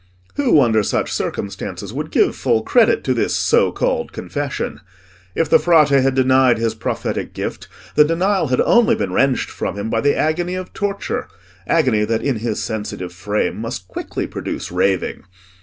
Who, under such circumstances, would give full credit to this so called confession? If the Frate had denied his prophetic gift, the denial had only been wrenched from him by the agony of torture—agony that, in his sensitive frame, must quickly produce raving.